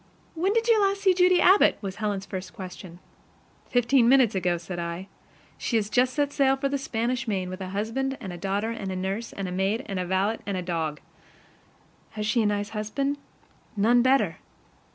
"When did you last see Judy Abbott?" was Helen's first question. "Fifteen minutes ago," said I. "She has just set sail for the Spanish main with a husband and daughter and nurse and maid and valet and dog." "Has she a nice husband?" "None better."